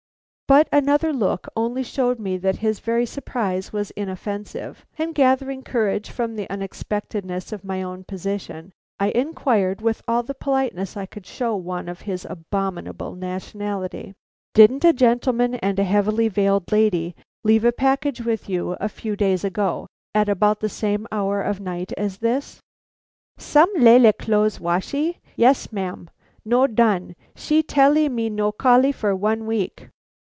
But another look only showed me that his very surprise was inoffensive, and gathering courage from the unexpectedness of my own position, I inquired with all the politeness I could show one of his abominable nationality: "Didn't a gentleman and a heavily veiled lady leave a package with you a few days ago at about the same hour of night as this?" "Some lalee clo' washee? Yes, ma'am. No done. She tellee me no callee for one week."